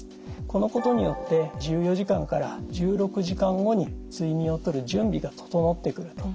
このことによって１４時間から１６時間後に睡眠をとる準備が整ってくると。